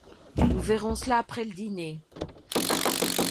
Nous verrons cela après dîner.